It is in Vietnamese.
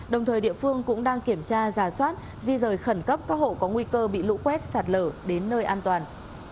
đồng thời địa phương cũng đang kiểm tra giả soát di rời khẩn cấp các hộ có nguy cơ bị lũ quét sạt lở đến nơi an toàn